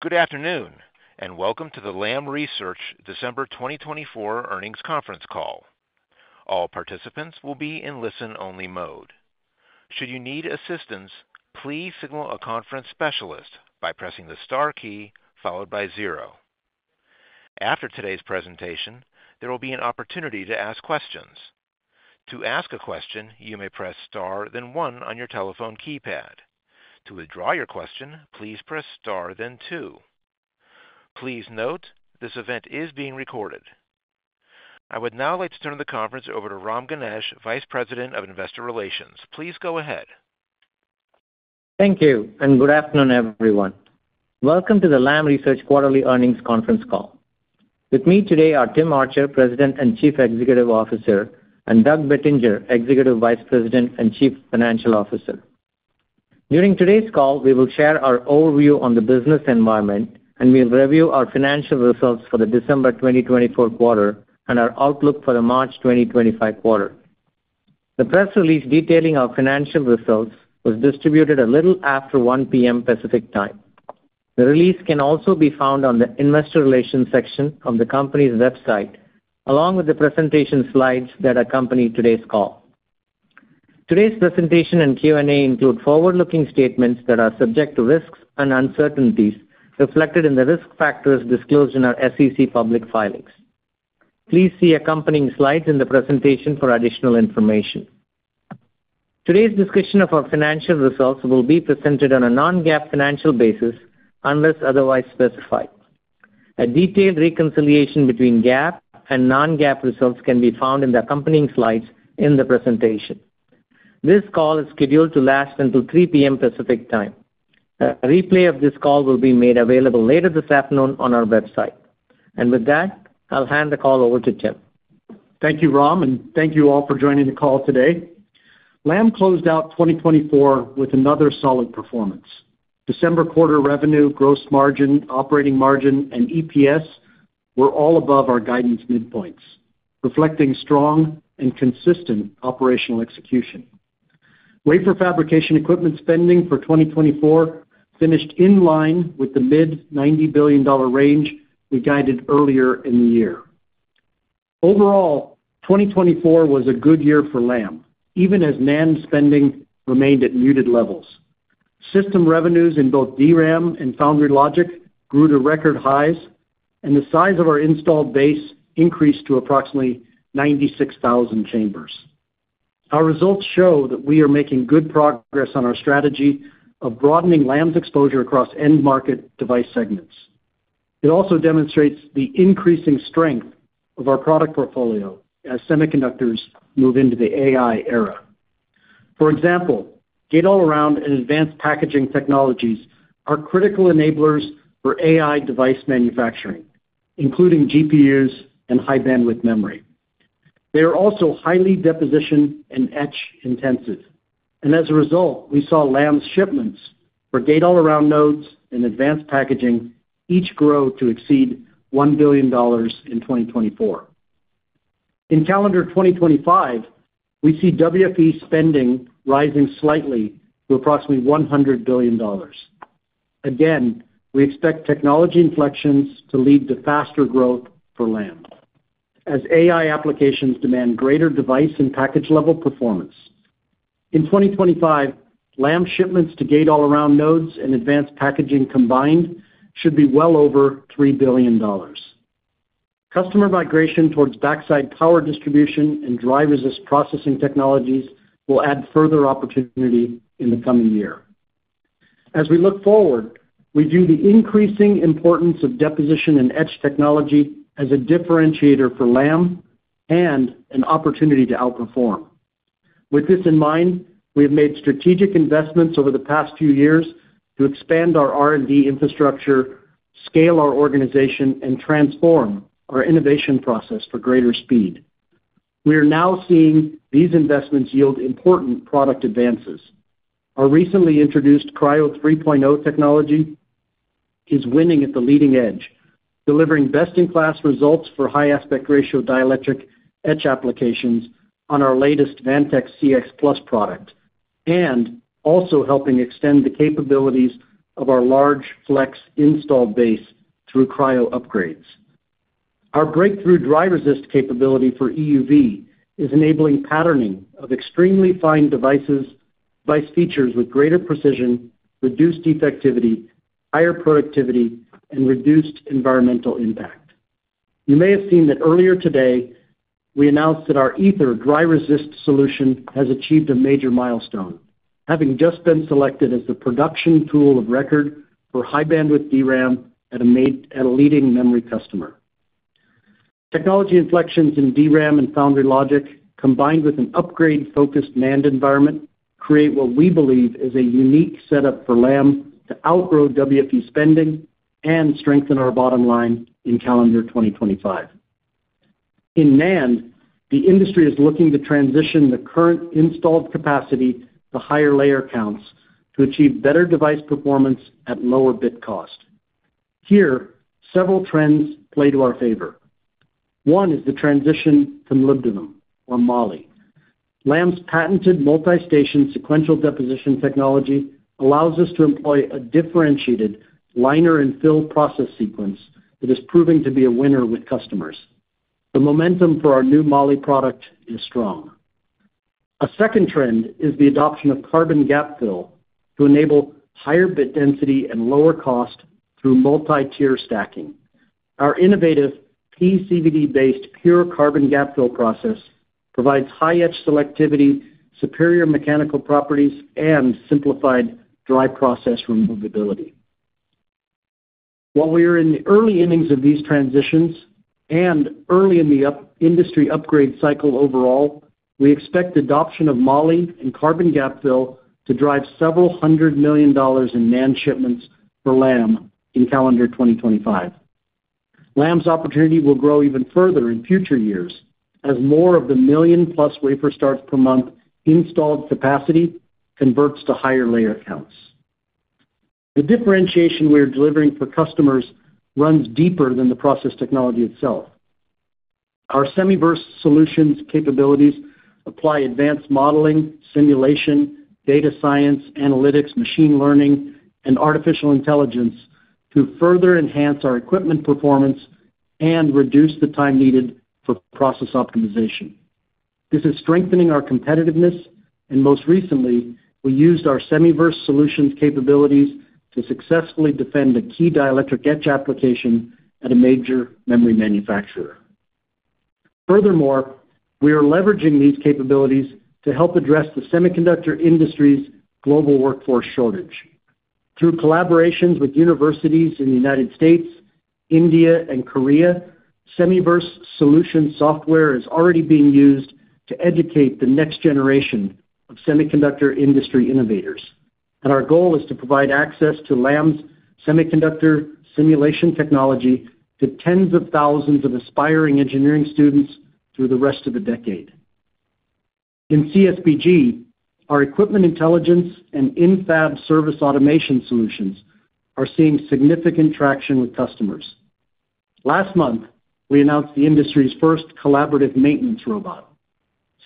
Good afternoon, and welcome to the Lam Research December 2024 earnings conference call. All participants will be in listen-only mode. Should you need assistance, please signal a conference specialist by pressing the star key followed by zero. After today's presentation, there will be an opportunity to ask questions. To ask a question, you may press star, then one on your telephone keypad. To withdraw your question, please press star, then two. Please note this event is being recorded. I would now like to turn the conference over to Ram Ganesh, Vice President of Investor Relations. Please go ahead. Thank you, and good afternoon, everyone. Welcome to the Lam Research quarterly earnings conference call. With me today are Tim Archer, President and Chief Executive Officer, and Doug Bettinger, Executive Vice President and Chief Financial Officer. During today's call, we will share our overview on the business environment, and we'll review our financial results for the December 2024 quarter and our outlook for the March 2025 quarter. The press release detailing our financial results was distributed a little after 1:00 P.M. Pacific time. The release can also be found on the Investor Relations section of the company's website, along with the presentation slides that accompany today's call. Today's presentation and Q&A include forward-looking statements that are subject to risks and uncertainties reflected in the risk factors disclosed in our SEC public filings. Please see accompanying slides in the presentation for additional information. Today's discussion of our financial results will be presented on a non-GAAP financial basis unless otherwise specified. A detailed reconciliation between GAAP and non-GAAP results can be found in the accompanying slides in the presentation. This call is scheduled to last until 3:00 P.M. Pacific time. A replay of this call will be made available later this afternoon on our website, and with that, I'll hand the call over to Tim. Thank you, Ram, and thank you all for joining the call today. Lam closed out 2024 with another solid performance. December quarter revenue, gross margin, operating margin, and EPS were all above our guidance midpoints, reflecting strong and consistent operational execution. Wafer fabrication equipment spending for 2024 finished in line with the mid-$90 billion range we guided earlier in the year. Overall, 2024 was a good year for Lam, even as NAND spending remained at muted levels. System revenues in both DRAM and foundry logic grew to record highs, and the size of our installed base increased to approximately 96,000 chambers. Our results show that we are making good progress on our strategy of broadening Lam's exposure across end-market device segments. It also demonstrates the increasing strength of our product portfolio as semiconductors move into the AI era. For example, gate all-around and advanced packaging technologies are critical enablers for AI device manufacturing, including GPUs and high-bandwidth memory. They are also highly deposition and etch-intensive, and as a result, we saw Lam's shipments for gate all-around nodes and advanced packaging each grow to exceed $1 billion in 2024. In calendar 2025, we see WFE spending rising slightly to approximately $100 billion. Again, we expect technology inflections to lead to faster growth for Lam as AI applications demand greater device and package-level performance. In 2025, Lam shipments to gate all-around nodes and advanced packaging combined should be well over $3 billion. Customer migration towards backside power distribution and dry-resist processing technologies will add further opportunity in the coming year. As we look forward, we view the increasing importance of deposition and etch technology as a differentiator for Lam and an opportunity to outperform. With this in mind, we have made strategic investments over the past few years to expand our R&D infrastructure, scale our organization, and transform our innovation process for greater speed. We are now seeing these investments yield important product advances. Our recently introduced Cryo 3.0 technology is winning at the leading edge, delivering best-in-class results for high-aspect-ratio dielectric etch applications on our latest Vantex CX+ product and also helping extend the capabilities of our large flex install base through Cryo upgrades. Our breakthrough dry-resist capability for EUV is enabling patterning of extremely fine features with greater precision, reduced defectivity, higher productivity, and reduced environmental impact. You may have seen that earlier today, we announced that our Aether dry-resist solution has achieved a major milestone, having just been selected as the production tool of record for high-bandwidth DRAM at a leading memory customer. Technology inflections in DRAM and foundry logic, combined with an upgrade-focused NAND environment, create what we believe is a unique setup for Lam to outgrow WFE spending and strengthen our bottom line in calendar 2025. In NAND, the industry is looking to transition the current installed capacity to higher layer counts to achieve better device performance at lower bit cost. Here, several trends play to our favor. One is the transition from molybdenum or Moly. Lam's patented multi-station sequential deposition technology allows us to employ a differentiated liner and fill process sequence that is proving to be a winner with customers. The momentum for our new Moly product is strong. A second trend is the adoption of carbon gap fill to enable higher bit density and lower cost through multi-tier stacking. Our innovative PECVD-based pure carbon gap fill process provides high-edge selectivity, superior mechanical properties, and simplified dry process removability. While we are in the early innings of these transitions and early in the industry upgrade cycle overall, we expect adoption of molybdenum and carbon gap fill to drive several hundred million dollars in NAND shipments for Lam in calendar 2025. Lam's opportunity will grow even further in future years as more of the million-plus wafer starts per month installed capacity converts to higher layer counts. The differentiation we are delivering for customers runs deeper than the process technology itself. Our Semiverse Solutions capabilities apply advanced modeling, simulation, data science, analytics, machine learning, and artificial intelligence to further enhance our equipment performance and reduce the time needed for process optimization. This is strengthening our competitiveness, and most recently, we used our Semiverse Solutions capabilities to successfully defend a key dielectric etch application at a major memory manufacturer. Furthermore, we are leveraging these capabilities to help address the semiconductor industry's global workforce shortage. Through collaborations with universities in the United States, India, and Korea, Semiverse Solutions software is already being used to educate the next generation of semiconductor industry innovators. Our goal is to provide access to Lam's semiconductor simulation technology to tens of thousands of aspiring engineering students through the rest of the decade. In CSBG, our equipment intelligence and in-fab service automation solutions are seeing significant traction with customers. Last month, we announced the industry's first collaborative maintenance robot.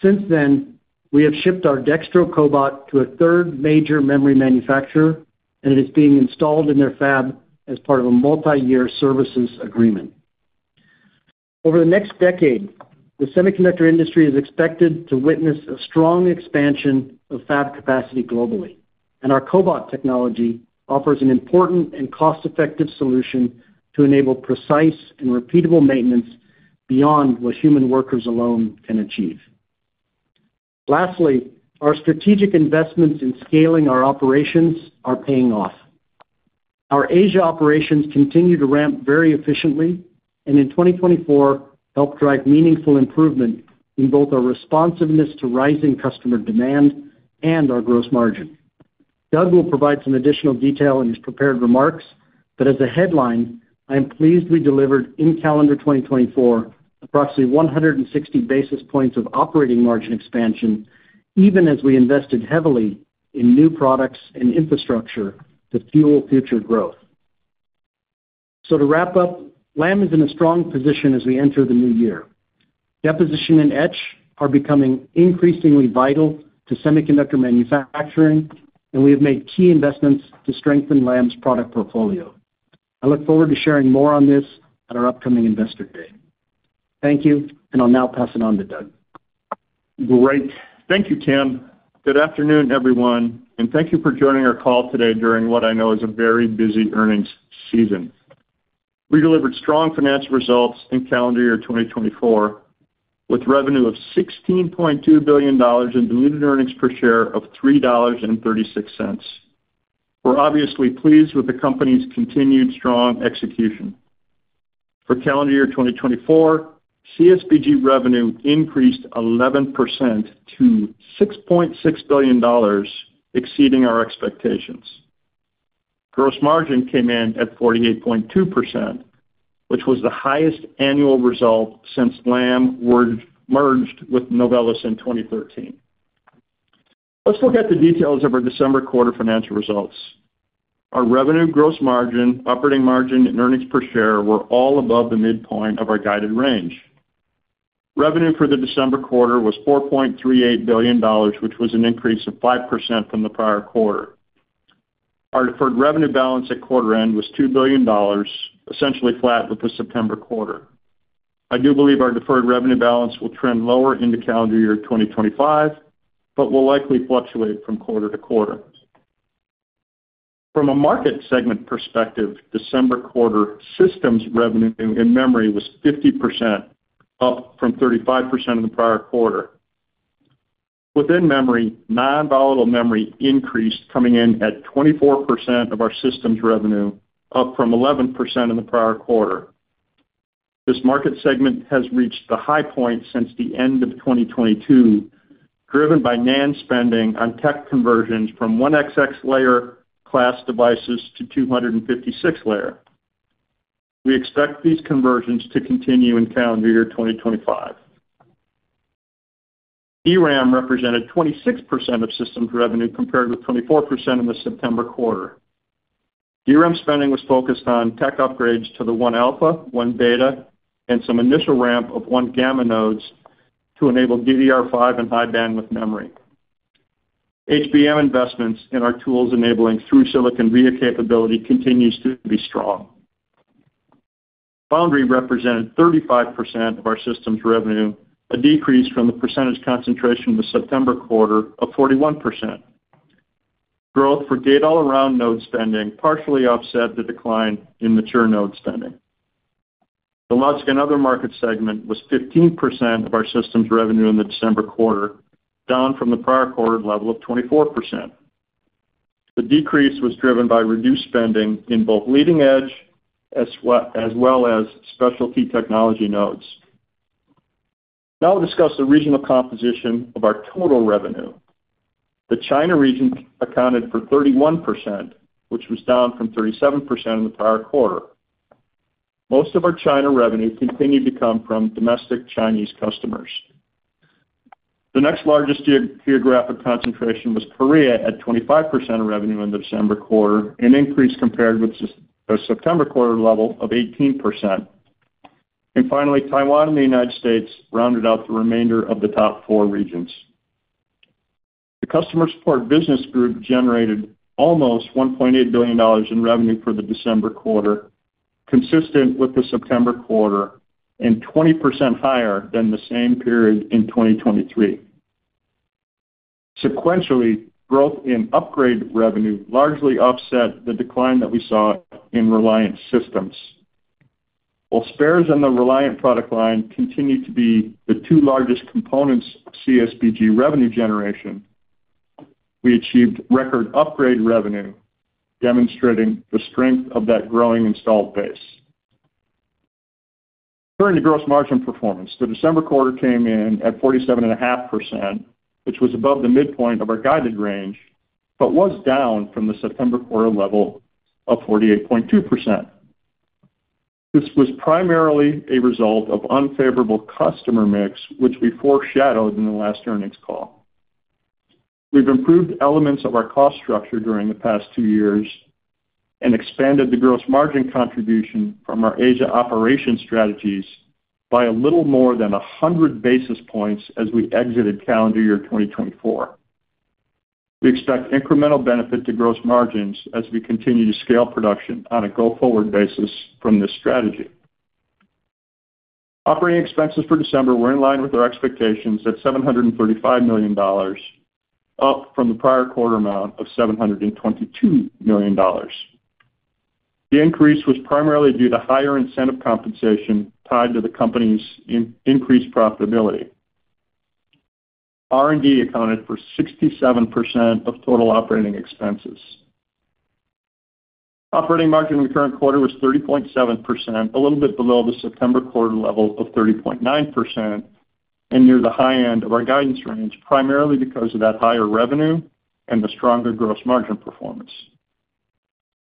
Since then, we have shipped our Dextro cobot to a third major memory manufacturer, and it is being installed in their fab as part of a multi-year services agreement. Over the next decade, the semiconductor industry is expected to witness a strong expansion of fab capacity globally, and our Cobot technology offers an important and cost-effective solution to enable precise and repeatable maintenance beyond what human workers alone can achieve. Lastly, our strategic investments in scaling our operations are paying off. Our Asia operations continue to ramp very efficiently and in 2024 help drive meaningful improvement in both our responsiveness to rising customer demand and our gross margin. Doug will provide some additional detail in his prepared remarks, but as a headline, I am pleased we delivered in calendar 2024 approximately 160 basis points of operating margin expansion, even as we invested heavily in new products and infrastructure to fuel future growth, so to wrap up, Lam is in a strong position as we enter the new year. Deposition and etch are becoming increasingly vital to semiconductor manufacturing, and we have made key investments to strengthen Lam's product portfolio. I look forward to sharing more on this at our upcoming investor day. Thank you, and I'll now pass it on to Doug. Great. Thank you, Tim. Good afternoon, everyone, and thank you for joining our call today during what I know is a very busy earnings season. We delivered strong financial results in calendar year 2024 with revenue of $16.2 billion and diluted earnings per share of $3.36. We're obviously pleased with the company's continued strong execution. For calendar year 2024, CSBG revenue increased 11% to $6.6 billion, exceeding our expectations. Gross margin came in at 48.2%, which was the highest annual result since Lam merged with Novellus in 2013. Let's look at the details of our December quarter financial results. Our revenue, gross margin, operating margin, and earnings per share were all above the midpoint of our guided range. Revenue for the December quarter was $4.38 billion, which was an increase of 5% from the prior quarter. Our deferred revenue balance at quarter end was $2 billion, essentially flat with the September quarter. I do believe our deferred revenue balance will trend lower into calendar year 2025, but will likely fluctuate from quarter to quarter. From a market segment perspective, December quarter systems revenue in memory was 50%, up from 35% in the prior quarter. Within memory, non-volatile memory increased coming in at 24% of our systems revenue, up from 11% in the prior quarter. This market segment has reached the high point since the end of 2022, driven by NAND spending on tech conversions from 1xx layer class devices to 256 layer. We expect these conversions to continue in calendar year 2025. DRAM represented 26% of systems revenue compared with 24% in the September quarter. DRAM spending was focused on tech upgrades to the 1-alpha, 1-beta, and some initial ramp of 1-gamma nodes to enable DDR5 and high-bandwidth memory. HBM investments in our tools enabling through-silicon via capability continues to be strong. Foundry represented 35% of our systems revenue, a decrease from the percentage concentration in the September quarter of 41%. Growth for gate-all-around node spending partially offset the decline in mature node spending. The Logic and Other market segment was 15% of our systems revenue in the December quarter, down from the prior quarter level of 24%. The decrease was driven by reduced spending in both leading edge as well as specialty technology nodes. Now I'll discuss the regional composition of our total revenue. The China region accounted for 31%, which was down from 37% in the prior quarter. Most of our China revenue continued to come from domestic Chinese customers. The next largest geographic concentration was Korea at 25% revenue in the December quarter, an increase compared with the September quarter level of 18%. And finally, Taiwan and the United States rounded out the remainder of the top four regions. The customer support business group generated almost $1.8 billion in revenue for the December quarter, consistent with the September quarter and 20% higher than the same period in 2023. Sequentially, growth in upgrade revenue largely offset the decline that we saw in Reliant systems. While spares and the Reliant product line continue to be the two largest components of CSBG revenue generation, we achieved record upgrade revenue, demonstrating the strength of that growing installed base. Turning to gross margin performance, the December quarter came in at 47.5%, which was above the midpoint of our guided range, but was down from the September quarter level of 48.2%. This was primarily a result of unfavorable customer mix, which we foreshadowed in the last earnings call. We've improved elements of our cost structure during the past two years and expanded the gross margin contribution from our Asia operation strategies by a little more than 100 basis points as we exited calendar year 2024. We expect incremental benefit to gross margins as we continue to scale production on a go-forward basis from this strategy. Operating expenses for December were in line with our expectations at $735 million, up from the prior quarter amount of $722 million. The increase was primarily due to higher incentive compensation tied to the company's increased profitability. R&D accounted for 67% of total operating expenses. Operating margin in the current quarter was 30.7%, a little bit below the September quarter level of 30.9% and near the high end of our guidance range, primarily because of that higher revenue and the stronger gross margin performance,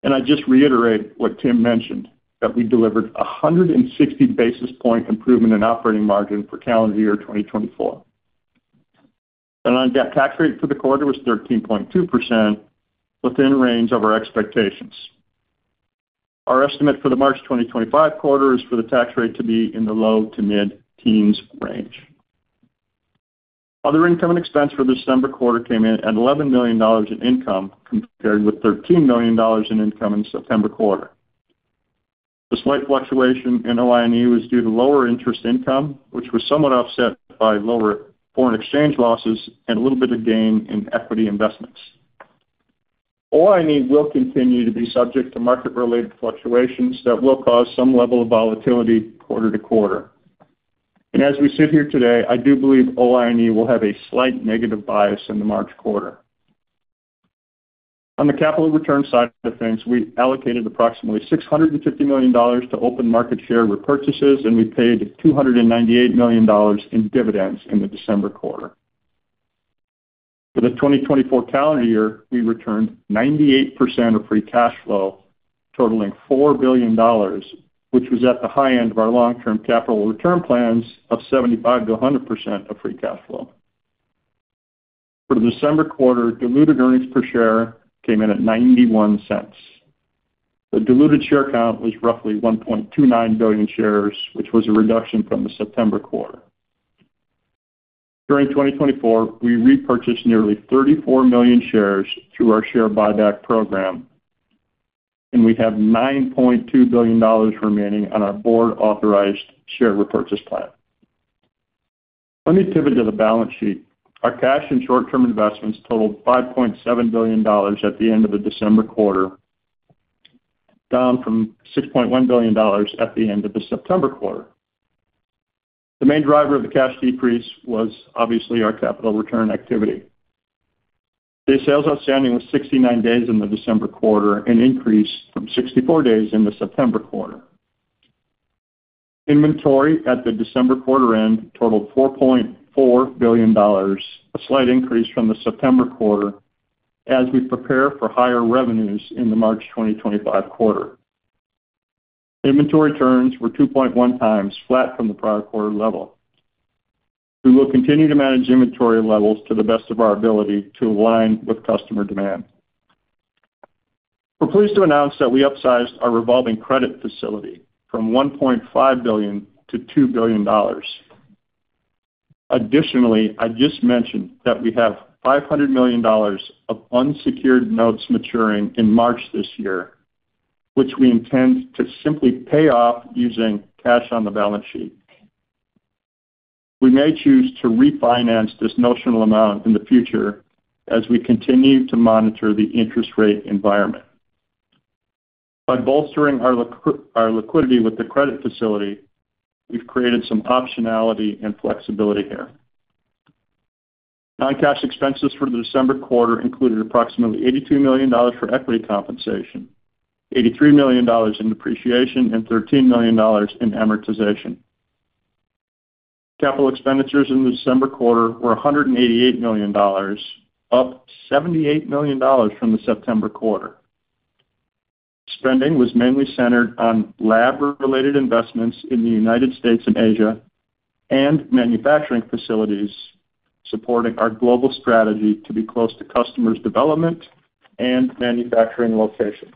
and I just reiterate what Tim mentioned, that we delivered a 160 basis point improvement in operating margin for calendar year 2024. The non-GAAP tax rate for the quarter was 13.2%, within range of our expectations. Our estimate for the March 2025 quarter is for the tax rate to be in the low to mid-teens range. Other income and expense for the December quarter came in at $11 million in income compared with $13 million in income in September quarter. The slight fluctuation in OINE was due to lower interest income, which was somewhat offset by lower foreign exchange losses and a little bit of gain in equity investments. OINE will continue to be subject to market-related fluctuations that will cause some level of volatility quarter to quarter, and as we sit here today, I do believe OINE will have a slight negative bias in the March quarter. On the capital return side of things, we allocated approximately $650 million to open market share repurchases, and we paid $298 million in dividends in the December quarter. For the 2024 calendar year, we returned 98% of free cash flow, totaling $4 billion, which was at the high end of our long-term capital return plans of 75%-100% of free cash flow. For the December quarter, diluted earnings per share came in at $0.91. The diluted share count was roughly 1.29 billion shares, which was a reduction from the September quarter. During 2024, we repurchased nearly 34 million shares through our share buyback program, and we have $9.2 billion remaining on our board-authorized share repurchase plan. Let me pivot to the balance sheet. Our cash and short-term investments totaled $5.7 billion at the end of the December quarter, down from $6.1 billion at the end of the September quarter. The main driver of the cash decrease was obviously our capital return activity. The sales outstanding was 69 days in the December quarter, an increase from 64 days in the September quarter. Inventory at the December quarter end totaled $4.4 billion, a slight increase from the September quarter as we prepare for higher revenues in the March 2025 quarter. Inventory turns were 2.1x flat from the prior quarter level. We will continue to manage inventory levels to the best of our ability to align with customer demand. We're pleased to announce that we upsized our revolving credit facility from $1.5 billion to $2 billion. Additionally, I just mentioned that we have $500 million of unsecured notes maturing in March this year, which we intend to simply pay off using cash on the balance sheet. We may choose to refinance this notional amount in the future as we continue to monitor the interest rate environment. By bolstering our liquidity with the credit facility, we've created some optionality and flexibility here. Non-cash expenses for the December quarter included approximately $82 million for equity compensation, $83 million in depreciation, and $13 million in amortization. Capital expenditures in the December quarter were $188 million, up $78 million from the September quarter. Spending was mainly centered on lab-related investments in the United States and Asia and manufacturing facilities, supporting our global strategy to be close to customers' development and manufacturing locations.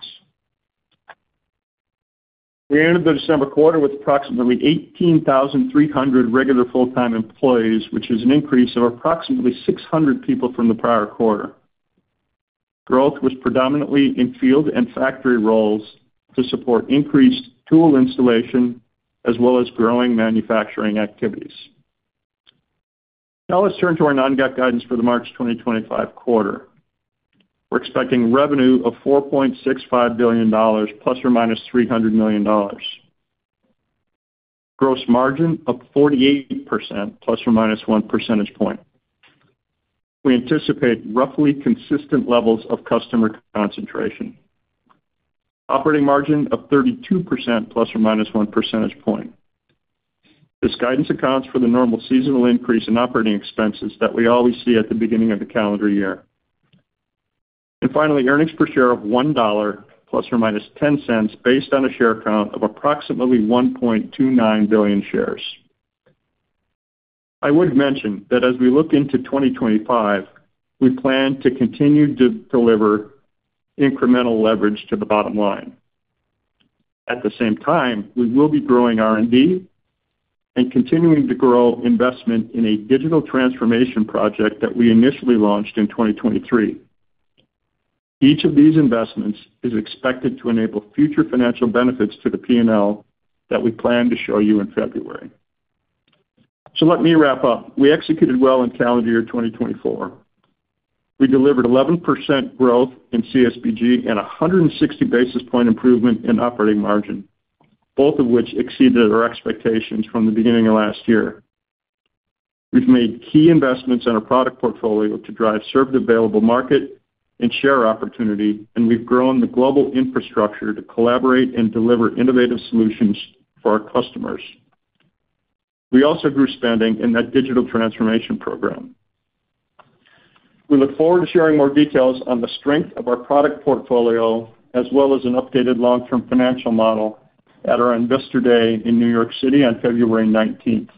We ended the December quarter with approximately 18,300 regular full-time employees, which is an increase of approximately 600 people from the prior quarter. Growth was predominantly in field and factory roles to support increased tool installation as well as growing manufacturing activities. Now let's turn to our non-GAAP guidance for the March 2025 quarter. We're expecting revenue of $4.65 billion, ±$300 million. Gross margin of 48%, ±1 percentage point. We anticipate roughly consistent levels of customer concentration. Operating margin of 32%, ±1 percentage point. This guidance accounts for the normal seasonal increase in operating expenses that we always see at the beginning of the calendar year. And finally, earnings per share of $1, ±$0.10, based on a share count of approximately 1.29 billion shares. I would mention that as we look into 2025, we plan to continue to deliver incremental leverage to the bottom line. At the same time, we will be growing R&D and continuing to grow investment in a digital transformation project that we initially launched in 2023. Each of these investments is expected to enable future financial benefits to the P&L that we plan to show you in February. So let me wrap up. We executed well in calendar year 2024. We delivered 11% growth in CSBG and 160 basis points improvement in operating margin, both of which exceeded our expectations from the beginning of last year. We've made key investments in our product portfolio to drive serviceable addressable market and share opportunity, and we've grown the global infrastructure to collaborate and deliver innovative solutions for our customers. We also grew spending in that digital transformation program. We look forward to sharing more details on the strength of our product portfolio, as well as an updated long-term financial model at our Investor Day in New York City on February 19th.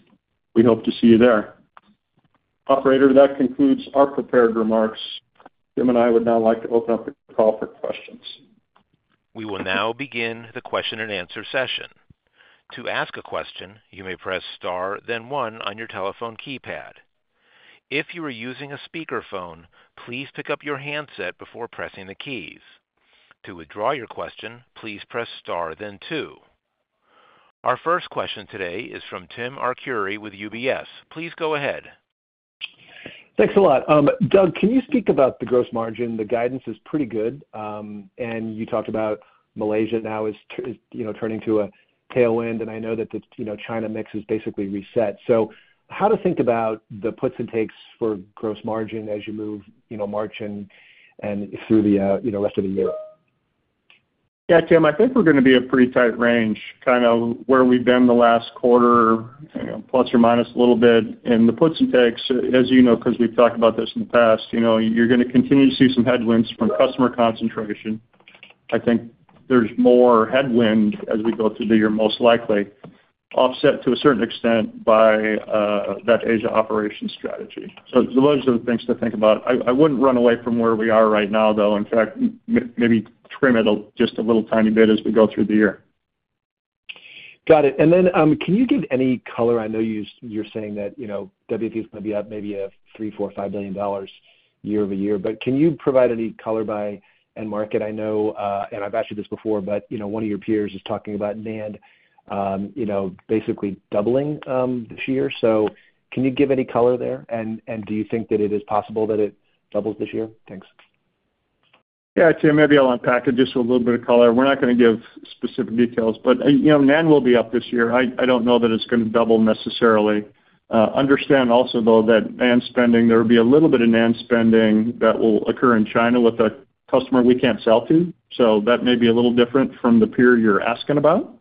We hope to see you there. Operator, that concludes our prepared remarks. Tim and I would now like to open up the call for questions. We will now begin the question and answer session. To ask a question, you may press star, then one on your telephone keypad. If you are using a speakerphone, please pick up your handset before pressing the keys. To withdraw your question, please press star, then two. Our first question today is from Tim Arcuri with UBS. Please go ahead. Thanks a lot. Doug, can you speak about the gross margin? The guidance is pretty good. And you talked about Malaysia now is turning to a tailwind, and I know that the China mix has basically reset. So how to think about the puts and takes for gross margin as you move March and through the rest of the year? Yeah, Tim, I think we're going to be a pretty tight range, kind of where we've been the last quarter, plus or minus a little bit. And the puts and takes, as you know, because we've talked about this in the past, you're going to continue to see some headwinds from customer concentration. I think there's more headwind as we go through the year, most likely offset to a certain extent by that Asia operation strategy. So those are the things to think about. I wouldn't run away from where we are right now, though. In fact, maybe trim it just a little tiny bit as we go through the year. Got it. And then can you give any color? I know you're saying that WFE is going to be up maybe $3 billion-$5 billion year-over -year. But can you provide any color by end market? I know, and I've asked you this before, but one of your peers is talking about NAND basically doubling this year. So can you give any color there? And do you think that it is possible that it doubles this year? Thanks. Yeah, Tim, maybe I'll unpack it just a little bit of color. We're not going to give specific details, but NAND will be up this year. I don't know that it's going to double necessarily. Understand also, though, that NAND spending, there will be a little bit of NAND spending that will occur in China with a customer we can't sell to. So that may be a little different from the peer you're asking about.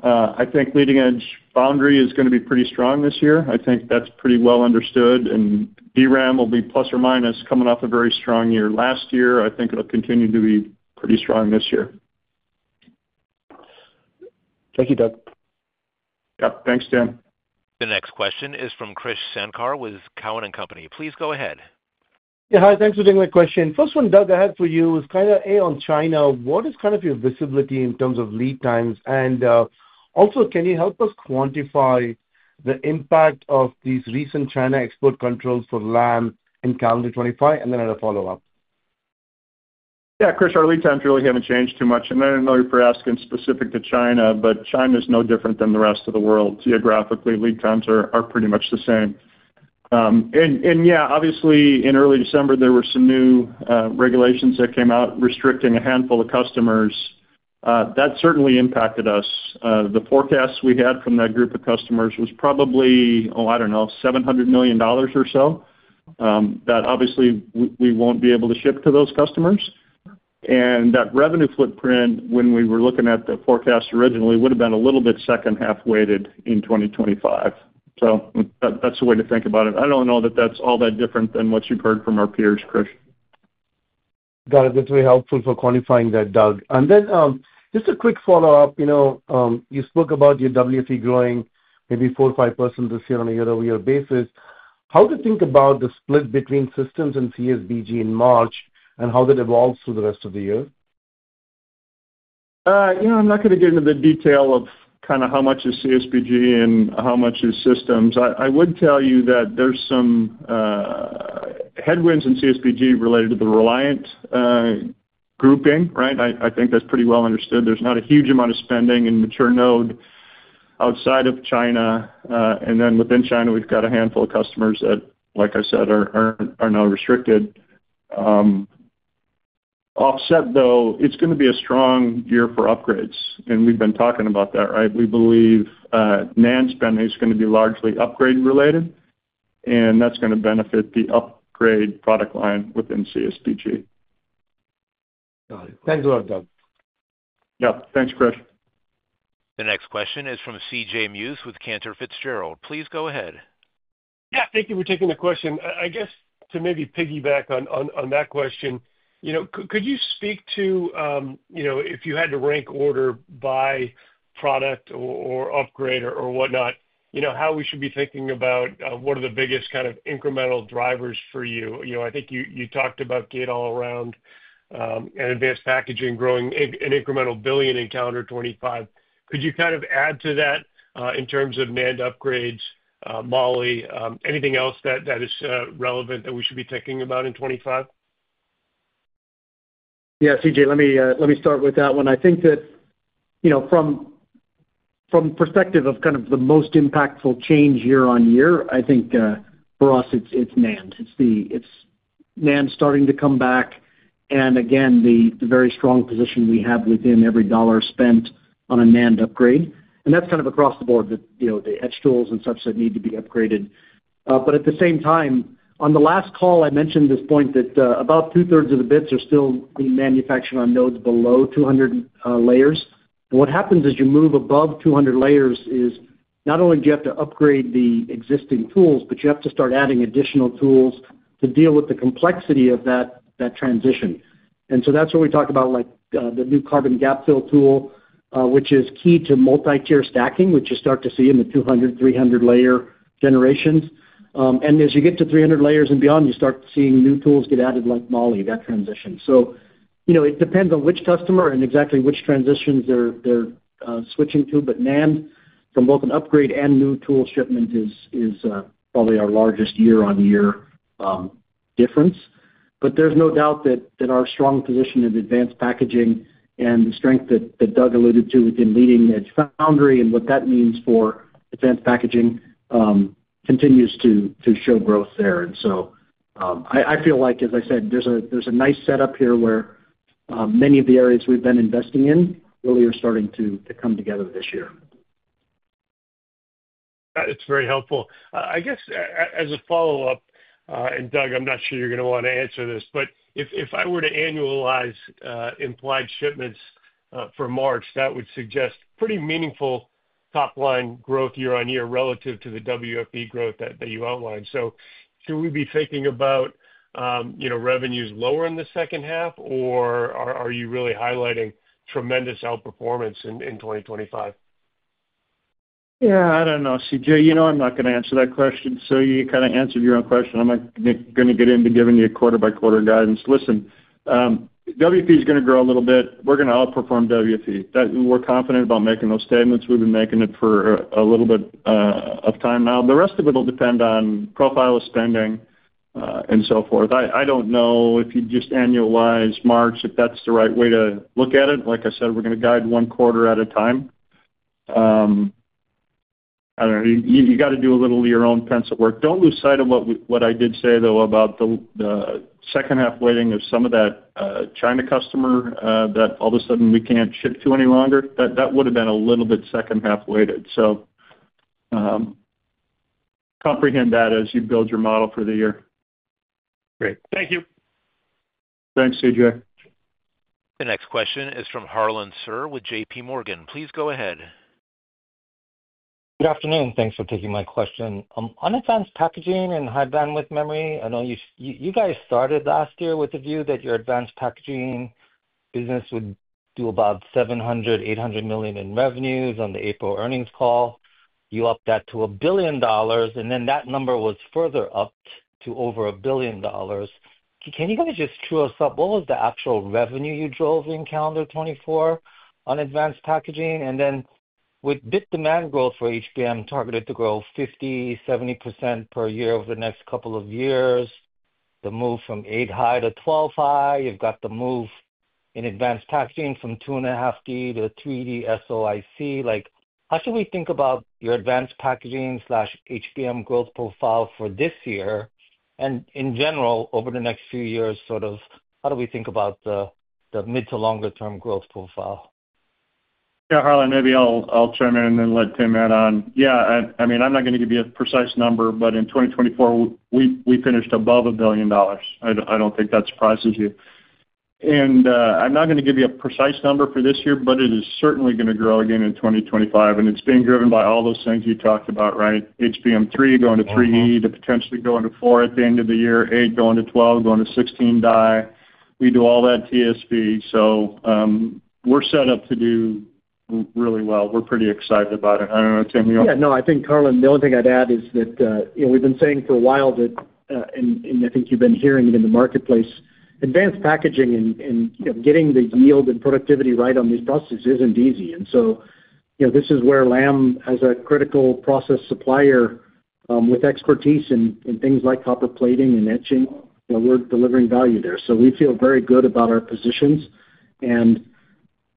I think leading edge foundary is going to be pretty strong this year. I think that's pretty well understood, and DRAM will be plus or minus coming off a very strong year last year. I think it'll continue to be pretty strong this year. Thank you, Doug. Yep. Thanks, Tim. The next question is from Krish Sankar with Cowen and Company. Please go ahead. Yeah, hi. Thanks for taking the question. First one, Doug, I had for you was kind of A on China. What is kind of your visibility in terms of lead times? Also, can you help us quantify the impact of these recent China export controls for Lam in calendar 2025? And then I'll follow up. Yeah, Krish, our lead times really haven't changed too much. And I know you're asking specific to China, but China is no different than the rest of the world. Geographically, lead times are pretty much the same. And yeah, obviously, in early December, there were some new regulations that came out restricting a handful of customers. That certainly impacted us. The forecast we had from that group of customers was probably, oh, I don't know, $700 million or so. That obviously we won't be able to ship to those customers. And that revenue footprint, when we were looking at the forecast originally, would have been a little bit second-half weighted in 2025. So that's a way to think about it. I don't know that that's all that different than what you've heard from our peers, Krish. Got it. That's very helpful for quantifying that, Doug. And then just a quick follow-up. You spoke about your WFE growing maybe 4%-5% this year on a year-over-year basis. How to think about the split between Systems and CSBG in March and how that evolves through the rest of the year? Yeah, I'm not going to get into the detail of kind of how much is CSBG and how much is Systems. I would tell you that there's some headwinds in CSBG related to the Reliant grouping, right? I think that's pretty well understood. There's not a huge amount of spending in mature node outside of China. And then within China, we've got a handful of customers that, like I said, are now restricted. Offset, though, it's going to be a strong year for upgrades. And we've been talking about that, right? We believe NAND spending is going to be largely upgrade-related, and that's going to benefit the upgrade product line within CSBG. Got it. Thanks a lot, Doug. Yeah. Thanks, Chris. The next question is from C.J. Muse with Cantor Fitzgerald. Please go ahead. Yeah. Thank you for taking the question. I guess to maybe piggyback on that question, could you speak to, if you had to rank order by product or upgrade or whatnot, how we should be thinking about what are the biggest kind of incremental drivers for you? I think you talked about gate-all-around and advanced packaging growing an incremental $1 billion in calendar 2025. Could you kind of add to that in terms of NAND upgrades, molybdenum? Anything else that is relevant that we should be thinking about in 2025? Yeah, C.J., let me start with that one. I think that from the perspective of kind of the most impactful change year-on-year, I think for us, it's NAND. It's NAND starting to come back and, again, the very strong position we have within every dollar spent on a NAND upgrade. And that's kind of across the board, the edge tools and such that need to be upgraded. But at the same time, on the last call, I mentioned this point that about two-thirds of the bits are still being manufactured on nodes below 200 layers. And what happens as you move above 200 layers is not only do you have to upgrade the existing tools, but you have to start adding additional tools to deal with the complexity of that transition. That's where we talk about the new carbon gap fill tool, which is key to multi-tier stacking, which you start to see in the 200-layer and 300-layer generations. As you get to 300-layers and beyond, you start seeing new tools get added like molybdenum for that transition. It depends on which customer and exactly which transitions they're switching to. NAND, from both an upgrade and new tool shipment, is probably our largest year-on-year difference. There's no doubt that our strong position in advanced packaging and the strength that Doug alluded to within leading-edge foundry and what that means for advanced packaging continues to show growth there. I feel like, as I said, there's a nice setup here where many of the areas we've been investing in really are starting to come together this year. That is very helpful. I guess as a follow-up, and Doug, I'm not sure you're going to want to answer this, but if I were to annualize implied shipments for March, that would suggest pretty meaningful top-line growth year-on-year relative to the WFE growth that you outlined. So should we be thinking about revenues lower in the second half, or are you really highlighting tremendous outperformance in 2025? Yeah, I don't know, C.J. You know I'm not going to answer that question. So you kind of answered your own question. I'm going to get into giving you quarter-by-quarter guidance. Listen, WFE is going to grow a little bit. We're going to outperform WFE. We're confident about making those statements. We've been making it for a little bit of time now. The rest of it will depend on profile of spending and so forth. I don't know if you just annualize March, if that's the right way to look at it. Like I said, we're going to guide one quarter at a time. I don't know. You got to do a little of your own pencil work. Don't lose sight of what I did say, though, about the second-half weighting of some of that China customer that all of a sudden we can't ship to any longer. That would have been a little bit second-half weighted. So comprehend that as you build your model for the year. Great. Thank you. Thanks, C.J. The next question is from Harlan Sur with JPMorgan. Please go ahead. Good afternoon. Thanks for taking my question. On advanced packaging and high bandwidth memory, I know you guys started last year with the view that your advanced packaging business would do about $700 million-$800 million in revenues on the April earnings call. You upped that to $1 billion, and then that number was further upped to over $1 billion. Can you guys just true us up? What was the actual revenue you drove in calendar 2024 on advanced packaging? And then with bit demand growth for HBM targeted to grow 50%-70% per year over the next couple of years, the move from 8 high to 12 high, you've got the move in advanced packaging from 2.5D to 3D SOIC. How should we think about your advanced packaging/HBM growth profile for this year? And in general, over the next few years, sort of how do we think about the mid to longer-term growth profile? Yeah, Harlan, maybe I'll chime in and then let Tim add on. Yeah. I mean, I'm not going to give you a precise number, but in 2024, we finished above $1 billion. I don't think that surprises you. And I'm not going to give you a precise number for this year, but it is certainly going to grow again in 2025. And it's being driven by all those things you talked about, right? HBM3 going to HBM3E, to potentially going to HBM4 at the end of the year, HBM8 going to HBM12, going to HBM16 die. We do all that TSV. So we're set up to do really well. We're pretty excited about it. I don't know, Tim, you want to? Yeah. No, I think, Harlan, the only thing I'd add is that we've been saying for a while that, and I think you've been hearing it in the marketplace, advanced packaging and getting the yield and productivity right on these processes isn't easy. And so this is where Lam, as a critical process supplier with expertise in things like copper plating and etching, we're delivering value there. So we feel very good about our positions. And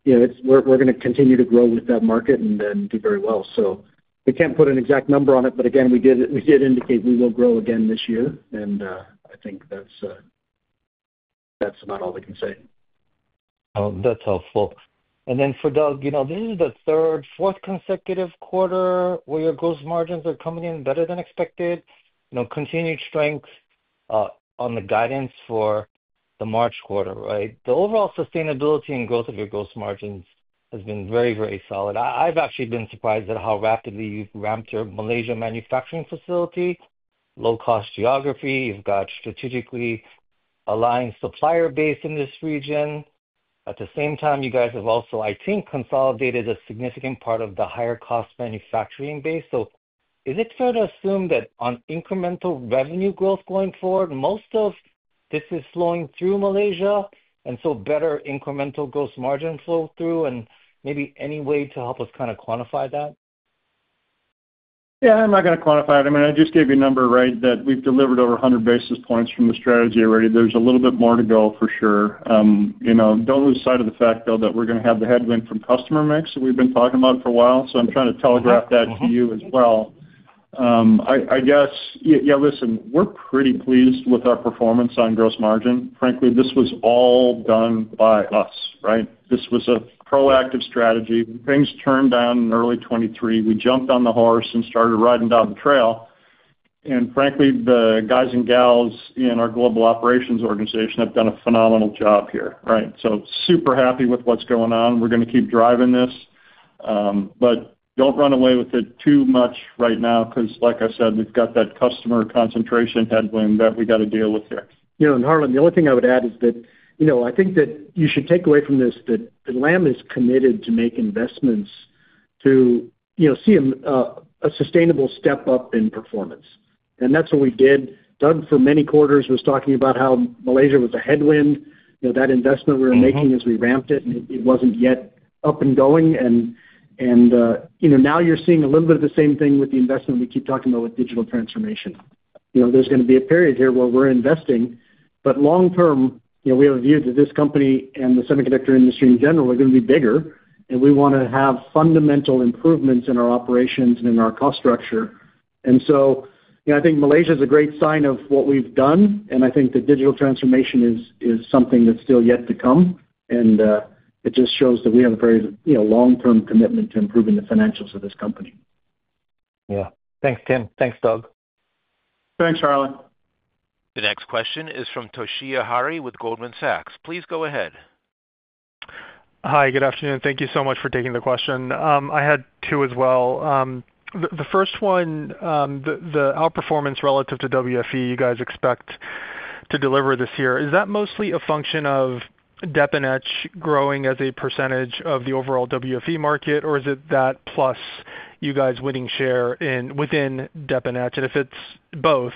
we're going to continue to grow with that market and do very well. So we can't put an exact number on it, but again, we did indicate we will grow again this year. And I think that's about all we can say. That's helpful. And then for Doug, this is the third, fourth consecutive quarter where your gross margins are coming in better than expected. Continued strength on the guidance for the March quarter, right? The overall sustainability and growth of your gross margins has been very, very solid. I've actually been surprised at how rapidly you've ramped your Malaysia manufacturing facility. Low-cost geography. You've got strategically aligned supplier base in this region. At the same time, you guys have also, I think, consolidated a significant part of the higher-cost manufacturing base. So is it fair to assume that on incremental revenue growth going forward, most of this is flowing through Malaysia? And so better incremental gross margin flow through and maybe any way to help us kind of quantify that? Yeah, I'm not going to quantify it. I mean, I just gave you a number, right, that we've delivered over 100 basis points from the strategy already. There's a little bit more to go for sure. Don't lose sight of the fact, though, that we're going to have the headwind from customer mix. We've been talking about it for a while. So I'm trying to telegraph that to you as well. I guess, yeah, listen, we're pretty pleased with our performance on gross margin. Frankly, this was all done by us, right? This was a proactive strategy. Things turned down in early 2023. We jumped on the horse and started riding down the trail. And frankly, the guys and gals in our global operations organization have done a phenomenal job here, right? So super happy with what's going on. We're going to keep driving this. But don't run away with it too much right now because, like I said, we've got that customer concentration headwind that we got to deal with here. Yeah. And Harlan, the only thing I would add is that I think that you should take away from this that Lam is committed to make investments to see a sustainable step up in performance. And that's what we did. Doug, for many quarters, was talking about how Malaysia was a headwind. That investment we were making as we ramped it, it wasn't yet up and going. And now you're seeing a little bit of the same thing with the investment we keep talking about with digital transformation. There's going to be a period here where we're investing. But long term, we have a view that this company and the semiconductor industry in general are going to be bigger. And we want to have fundamental improvements in our operations and in our cost structure. And so I think Malaysia is a great sign of what we've done. And I think the digital transformation is something that's still yet to come. And it just shows that we have a very long-term commitment to improving the financials of this company. Yeah. Thanks, Tim. Thanks, Doug. Thanks, Harlan. The next question is from Toshiya Hari with Goldman Sachs. Please go ahead. Hi, good afternoon. Thank you so much for taking the question. I had two as well. The first one, the outperformance relative to WFE you guys expect to deliver this year, is that mostly a function of Dep and Etch growing as a percentage of the overall WFE market, or is it that plus you guys' winning share within Dep and Etch? And if it's both,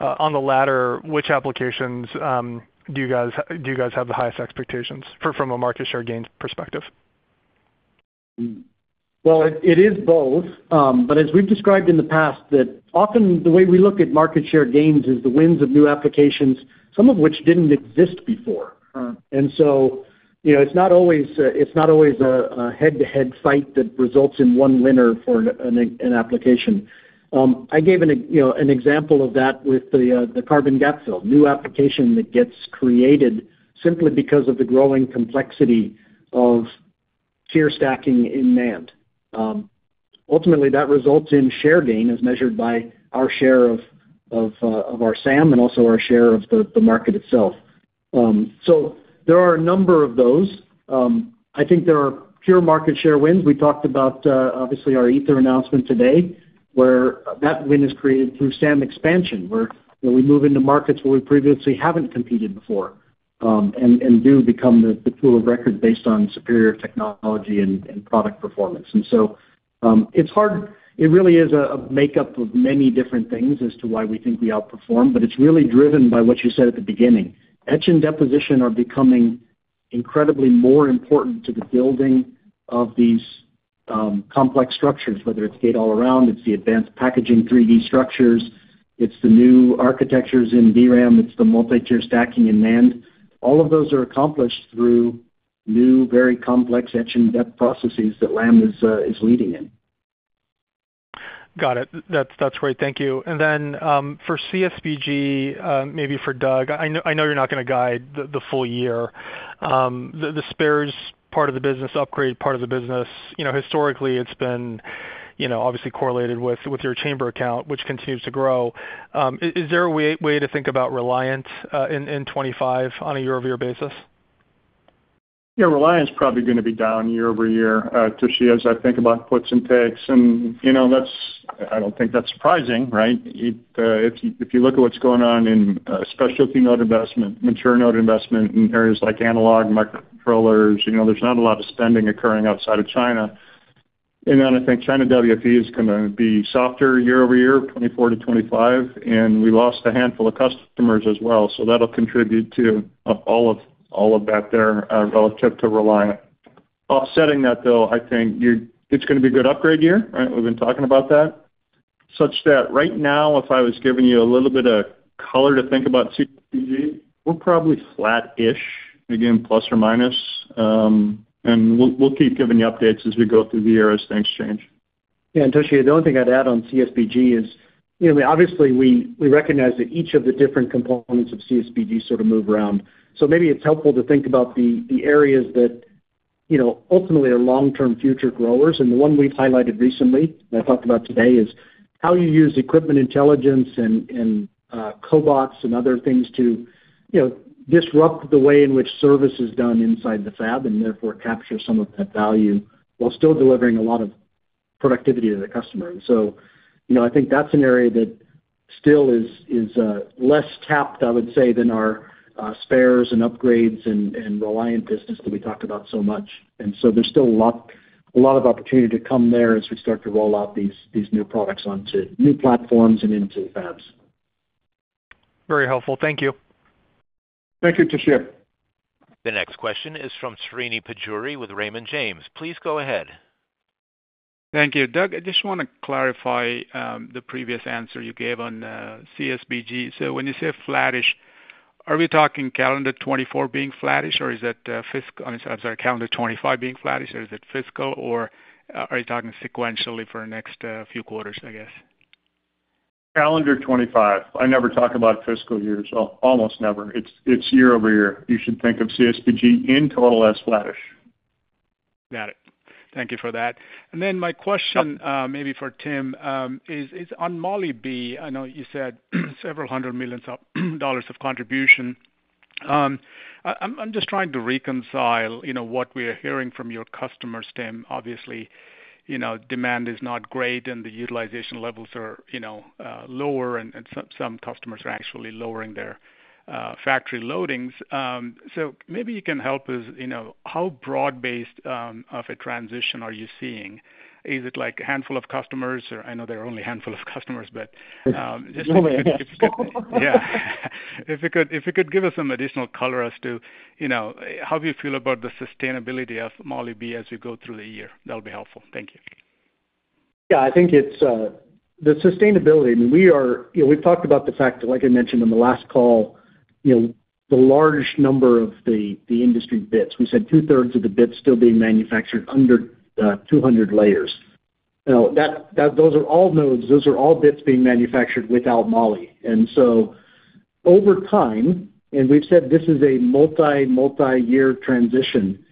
on the latter, which applications do you guys have the highest expectations from a market share gains perspective? Well, it is both. But as we've described in the past, that often the way we look at market share gains is the wins of new applications, some of which didn't exist before. And so it's not always a head-to-head fight that results in one winner for an application. I gave an example of that with the carbon gap fill, new application that gets created simply because of the growing complexity of tier stacking in NAND. Ultimately, that results in share gain as measured by our share of our SAM and also our share of the market itself. So there are a number of those. I think there are pure market share wins. We talked about, obviously, our Aether announcement today, where that win is created through SAM expansion, where we move into markets where we previously haven't competed before and do become the tool of record based on superior technology and product performance. It's hard. It really is a makeup of many different things as to why we think we outperform, but it's really driven by what you said at the beginning. Etch and deposition are becoming incredibly more important to the building of these complex structures, whether it's gate-all-around, it's the advanced packaging 3D structures, it's the new architectures in DRAM, it's the multi-tier stacking in NAND. All of those are accomplished through new, very complex etch and deposition processes that Lam is leading in. Got it. That's great. Thank you. Then for CSBG, maybe for Doug, I know you're not going to guide the full year. The spares part of the business, upgrade part of the business, historically, it's been obviously correlated with your chamber account, which continues to grow. Is there a way to think about Reliant in 2025 on a year-over-year basis? Yeah, Reliant is probably going to be down year-over-year. Toshi, as I think about puts and takes, and I don't think that's surprising, right? If you look at what's going on in specialty node investment, mature node investment in areas like analog, microcontrollers, there's not a lot of spending occurring outside of China. And then I think China WFE is going to be softer year-over-year, 2024 to 2025, and we lost a handful of customers as well. So that'll contribute to all of that there relative to Reliant. Offsetting that, though, I think it's going to be a good upgrade year, right? We've been talking about that. Such that right now, if I was giving you a little bit of color to think about CSBG, we're probably flat-ish, again, plus or minus. And we'll keep giving you updates as we go through the year as things change. Yeah. And Toshiya, the only thing I'd add on CSBG is, obviously, we recognize that each of the different components of CSBG sort of move around. So maybe it's helpful to think about the areas that ultimately are long-term future growers. And the one we've highlighted recently, and I talked about today, is how you use equipment intelligence and cobots and other things to disrupt the way in which service is done inside the fab and therefore capture some of that value while still delivering a lot of productivity to the customer. And so I think that's an area that still is less tapped, I would say, than our spares and upgrades and Reliant business that we talked about so much. And so there's still a lot of opportunity to come there as we start to roll out these new products onto new platforms and into fabs. Very helpful. Thank you. Thank you, Toshiya. The next question is from Srini Pajjuri with Raymond James. Please go ahead. Thank you. Doug, I just want to clarify the previous answer you gave on CSBG. So when you say flat-ish, are we talking calendar 2024 being flat-ish, or is that fiscal? I'm sorry, calendar 2025 being flat-ish, or is it fiscal, or are you talking sequentially for the next few quarters, I guess? Calendar 2025. I never talk about fiscal years. Almost never. It's year-over-year. You should think of CSBG in total as flat-ish. Got it. Thank you for that. And then my question, maybe for Tim, is on moly B. I know you said several hundred million dollars of contribution. I'm just trying to reconcile what we are hearing from your customers, Tim. Obviously, demand is not great, and the utilization levels are lower, and some customers are actually lowering their factory loadings. So maybe you can help us. How broad-based of a transition are you seeing? Is it like a handful of customers? I know there are only a handful of customers, but just if you could give us some additional color as to how you feel about the sustainability of moly B as we go through the year, that'll be helpful. Thank you. Yeah. I think it's the sustainability. I mean, we've talked about the fact that, like I mentioned in the last call, the large number of the industry bits. We said two-thirds of the bits still being manufactured under 200 layers. Those are all nodes. Those are all bits being manufactured without moly. And so over time, and we've said this is a multi-year transition,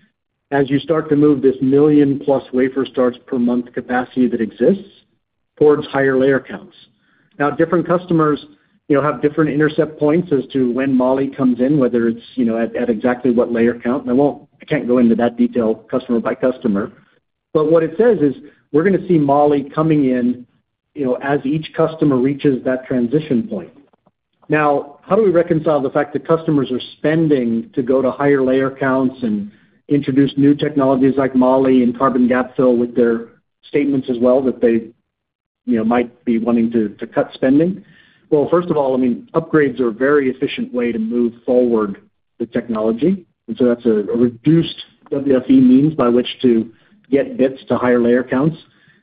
as you start to move this million-plus wafer starts per month capacity that exists towards higher layer counts. Now, different customers have different intercept points as to when moly comes in, whether it's at exactly what layer count. I can't go into that detail customer by customer. But what it says is we're going to see moly coming in as each customer reaches that transition point. Now, how do we reconcile the fact that customers are spending to go to higher layer counts and introduce new technologies like moly and carbon gap fill with their statements as well that they might be wanting to cut spending? Well, first of all, I mean, upgrades are a very efficient way to move forward the technology. And so that's a reduced WFE means by which to get bits to higher layer counts.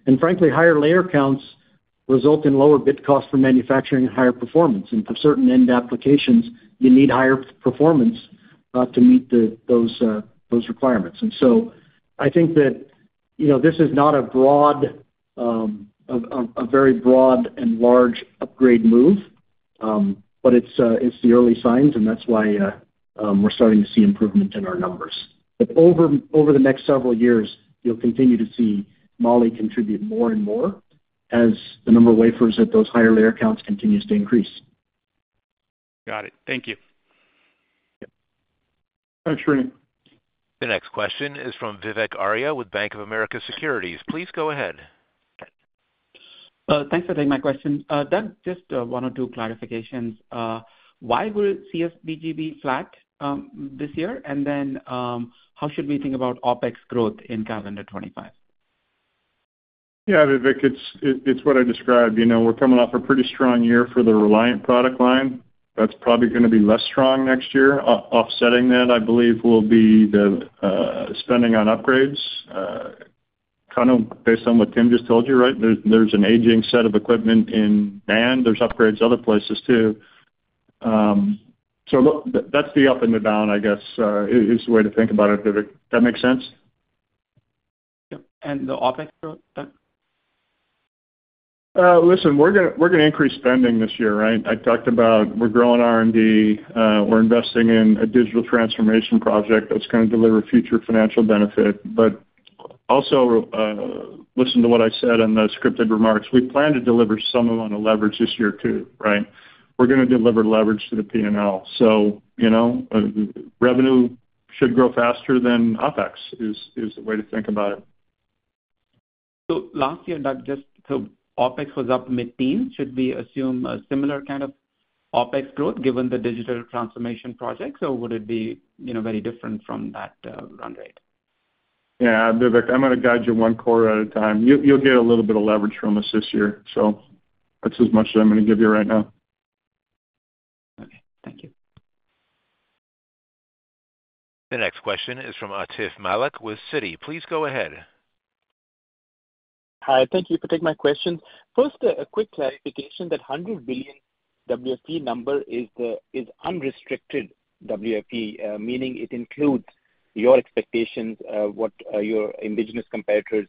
And frankly, higher layer counts result in lower bit costs for manufacturing and higher performance. And for certain end applications, you need higher performance to meet those requirements. And so I think that this is not a very broad and large upgrade move, but it's the early signs, and that's why we're starting to see improvement in our numbers. But over the next several years, you'll continue to see moly contribute more and more as the number of wafers at those higher layer counts continues to increase. Got it. Thank you. Thanks, Rene. The next question is from Vivek Arya with Bank of America Securities. Please go ahead. Thanks for taking my question. Doug, just one or two clarifications. Why will CSBG be flat this year? And then how should we think about OpEx growth in calendar 2025? Yeah, Vivek, it's what I described. We're coming off a pretty strong year for the Reliant product line. That's probably going to be less strong next year. Offsetting that, I believe, will be the spending on upgrades. Kind of based on what Tim just told you, right? There's an aging set of equipment in NAND. There's upgrades other places too. So that's the up and the down, I guess, is the way to think about it. Does that make sense? Yep. And the OpEx growth, Doug? Listen, we're going to increase spending this year, right? I talked about we're growing R&D. We're investing in a digital transformation project that's going to deliver future financial benefit. But also listen to what I said in the scripted remarks. We plan to deliver some amount of leverage this year too, right? We're going to deliver leverage to the P&L. So revenue should grow faster than OpEx is the way to think about it. So last year, Doug, just so OpEx was up mid-teen, should we assume a similar kind of OpEx growth given the digital transformation projects, or would it be very different from that run rate? Yeah, Vivek, I'm going to guide you one quarter at a time. You'll get a little bit of leverage from us this year. So that's as much as I'm going to give you right now. Okay. Thank you. The next question is from Atif Malik with Citi. Please go ahead. Hi. Thank you for taking my questions. First, a quick clarification that $100 billion WFE number is unrestricted WFE, meaning it includes your expectations, what your indigenous competitors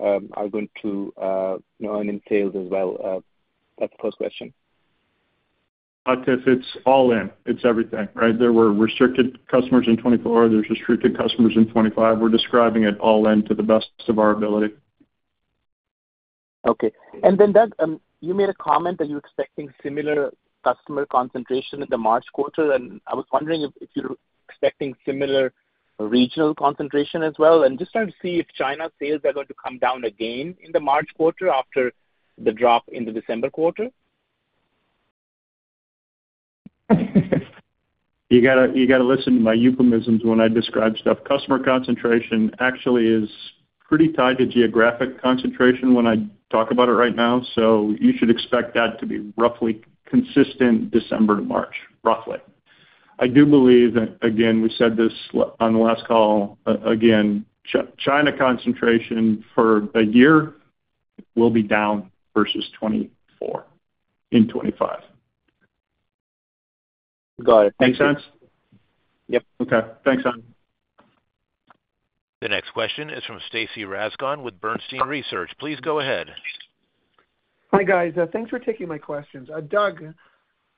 are going to earn in sales as well. That's the first question. Atif, it's all in. It's everything, right? There were restricted customers in 2024. There's restricted customers in 2025. We're describing it all into the best of our ability. Okay. And then, Doug, you made a comment that you're expecting similar customer concentration in the March quarter. And I was wondering if you're expecting similar regional concentration as well. And just trying to see if China's sales are going to come down again in the March quarter after the drop in the December quarter. You got to listen to my euphemisms when I describe stuff. Customer concentration actually is pretty tied to geographic concentration when I talk about it right now. So you should expect that to be roughly consistent December to March, roughly. I do believe that, again, we said this on the last call, again, China concentration for a year will be down versus 2024 in 2025. Got it. Makes sense? Yep. Okay. Thanks, hon. The next question is from Stacy Rasgon with Bernstein Research. Please go ahead. Hi guys. Thanks for taking my questions. Doug,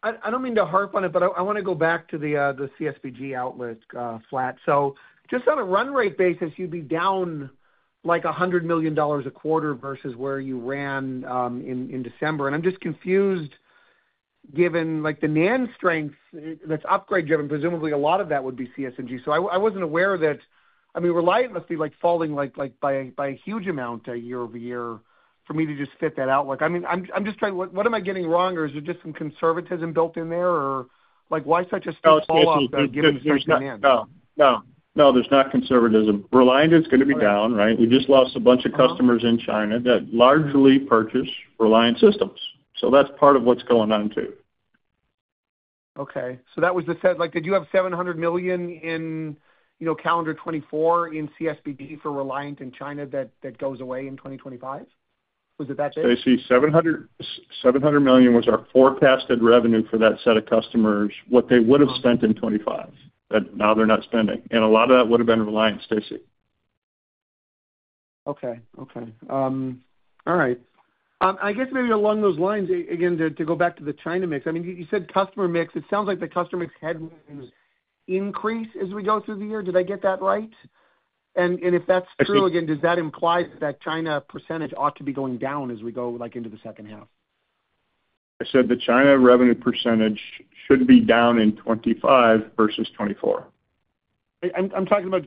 I don't mean to harp on it, but I want to go back to the CSBG outlook flat. So just on a run rate basis, you'd be down like $100 million a quarter versus where you ran in December. And I'm just confused given the NAND strength that's upgrade-driven, presumably a lot of that would be CSBG. So I wasn't aware that, I mean, Reliant must be falling by a huge amount year-over -year for me to just fit that outlook. I mean, I'm just trying to what am I getting wrong? Or is there just some conservatism built in there? Or why such a small fallout given strength in NAND? No, no, no. No, there's not conservatism. Reliant is going to be down, right? We just lost a bunch of customers in China that largely purchase Reliant systems. So that's part of what's going on too. Okay. So that was the set. Did you have $700 million in calendar 2024 in CSBG for Reliant in China that goes away in 2025? Was it that big? Stacy, $700 million was our forecasted revenue for that set of customers, what they would have spent in 2025 that now they're not spending. And a lot of that would have been Reliant, Stacy. Okay. Okay. All right. I guess maybe along those lines, again, to go back to the China mix, I mean, you said customer mix. It sounds like the customer mix headwinds increase as we go through the year. Did I get that right? And if that's true, again, does that imply that China percentage ought to be going down as we go into the second half? I said the China revenue percentage should be down in 2025 versus 2024. I'm talking about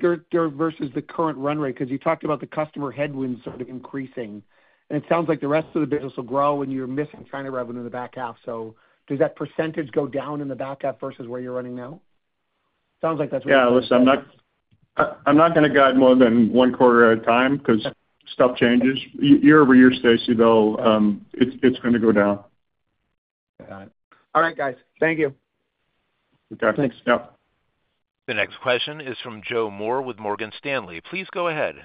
versus the current run rate because you talked about the customer headwinds sort of increasing. And it sounds like the rest of the business will grow when you're missing China revenue in the back half. So does that percentage go down in the back half versus where you're running now? Sounds like that's what you're saying. Yeah. Listen, I'm not going to guide more than one quarter at a time because stuff changes. year-over -year, Stacy, though, it's going to go down. Got it. All right, guys. Thank you. Okay. Thanks. Yep. The next question is from Joe Moore with Morgan Stanley. Please go ahead.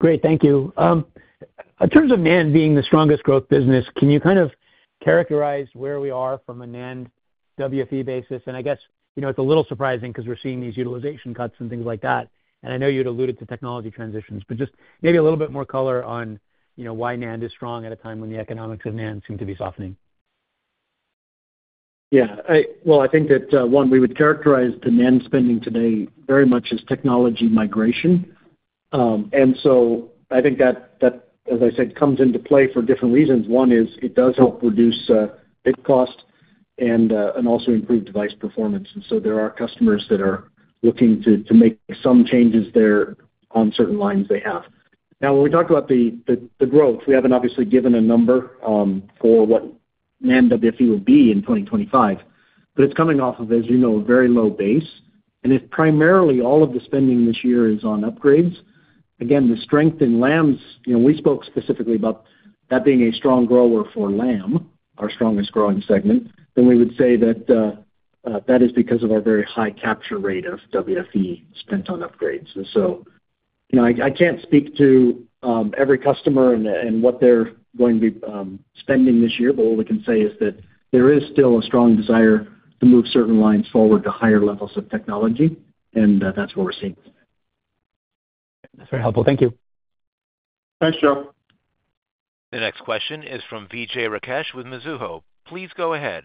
Great. Thank you. In terms of NAND being the strongest growth business, can you kind of characterize where we are from a NAND WFE basis? And I guess it's a little surprising because we're seeing these utilization cuts and things like that. And I know you'd alluded to technology transitions, but just maybe a little bit more color on why NAND is strong at a time when the economics of NAND seem to be softening. Yeah. Well, I think that, one, we would characterize the NAND spending today very much as technology migration. And so I think that, as I said, comes into play for different reasons. One is it does help reduce bit cost and also improve device performance. And so there are customers that are looking to make some changes there on certain lines they have. Now, when we talk about the growth, we haven't obviously given a number for what NAND WFE will be in 2025, but it's coming off of, as you know, a very low base. And if primarily all of the spending this year is on upgrades, again, the strength in Lam's, we spoke specifically about that being a strong grower for Lam, our strongest growing segment, then we would say that that is because of our very high capture rate of WFE spent on upgrades. And so I can't speak to every customer and what they're going to be spending this year, but all we can say is that there is still a strong desire to move certain lines forward to higher levels of technology, and that's what we're seeing. That's very helpful. Thank you. Thanks, Joe. The next question is from Vijay Rakesh with Mizuho. Please go ahead.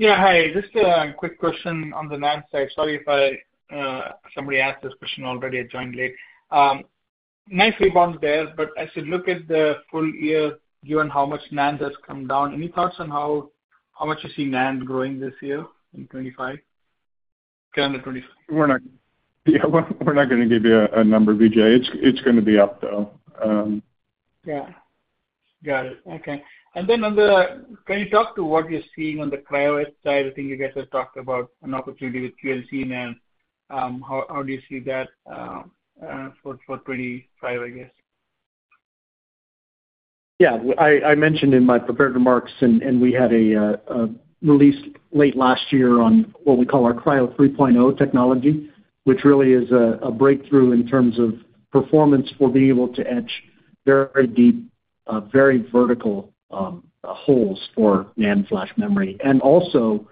Yeah. Hi. Just a quick question on the NAND side. Sorry if somebody asked this question already at joint late. Nice rebound there, but as you look at the full year, given how much NAND has come down, any thoughts on how much you see NAND growing this year in 2025? Calendar 2025. We're not going to give you a number, Vijay. It's going to be up, though. Yeah. Got it. Okay. And then on the, can you talk to what you're seeing on the cryo etch side? I think you guys have talked about an opportunity with QLC NAND. How do you see that for 2025, I guess? Yeah. I mentioned in my prepared remarks, and we had a release late last year on what we call our Cryo 3.0 technology, which really is a breakthrough in terms of performance for being able to etch very deep, very vertical holes for NAND flash memory, and also,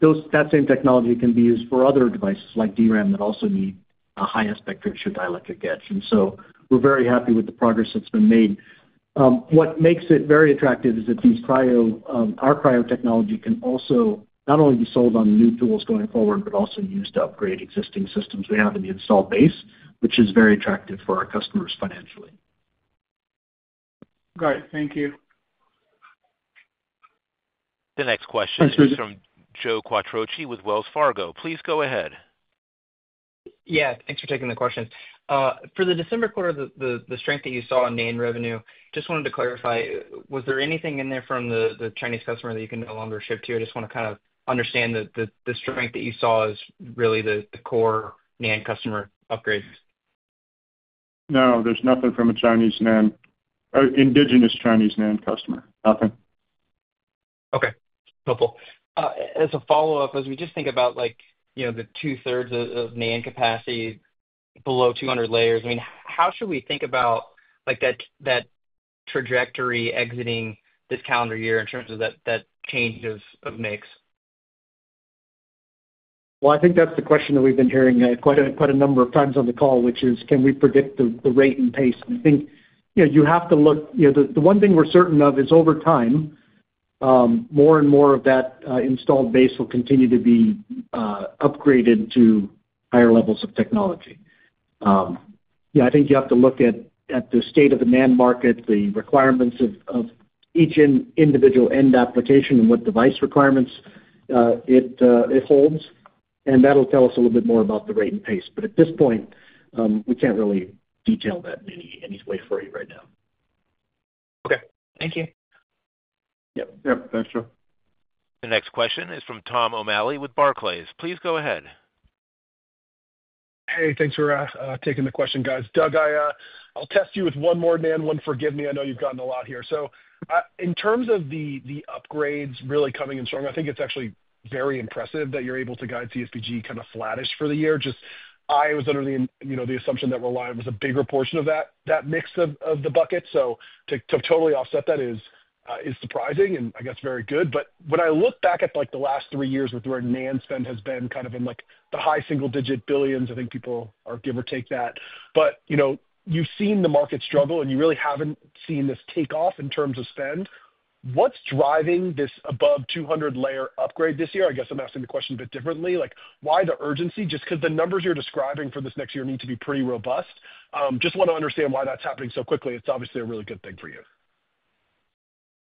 that same technology can be used for other devices like DRAM that also need a high-aspect-ratio dielectric etch, and so we're very happy with the progress that's been made. What makes it very attractive is that our Cryo technology can also not only be sold on new tools going forward, but also used to upgrade existing systems we have in the installed base, which is very attractive for our customers financially. Got it. Thank you. The next question is from Joe Quattrocci with Wells Fargo. Please go ahead. Yeah. Thanks for taking the questions. For the December quarter, the strength that you saw in NAND revenue, just wanted to clarify, was there anything in there from the Chinese customer that you can no longer ship to? I just want to kind of understand that the strength that you saw is really the core NAND customer upgrades. No, there's nothing from a Chinese NAND, indigenous Chinese NAND customer. Nothing. Okay. Helpful. As a follow-up, as we just think about the two-thirds of NAND capacity below 200 layers, I mean, how should we think about that trajectory exiting this calendar year in terms of that change of mix? Well, I think that's the question that we've been hearing quite a number of times on the call, which is, can we predict the rate and pace? And I think you have to look. The one thing we're certain of is over time, more and more of that installed base will continue to be upgraded to higher levels of technology. Yeah, I think you have to look at the state of the NAND market, the requirements of each individual end application, and what device requirements it holds, and that'll tell us a little bit more about the rate and pace, but at this point, we can't really detail that in any way for you right now. Okay. Thank you. Yep. Yep. Thanks, Joe. The next question is from Tom O'Malley with Barclays. Please go ahead. Hey, thanks for taking the question, guys. Doug, I'll test you with one more NAND one. Forgive me. I know you've gotten a lot here. So, in terms of the upgrades really coming in strong, I think it's actually very impressive that you're able to guide CSBG kind of flattish for the year. Just, I was under the assumption that Reliant was a bigger portion of that mix of the bucket. So to totally offset that is surprising, and I guess very good. But when I look back at the last three years with where NAND spend has been kind of in the high single-digit billions, I think people give or take that. But you've seen the market struggle, and you really haven't seen this takeoff in terms of spend. What's driving this above 200 layer upgrade this year? I guess I'm asking the question a bit differently. Why the urgency? Just because the numbers you're describing for this next year need to be pretty robust. Just want to understand why that's happening so quickly. It's obviously a really good thing for you.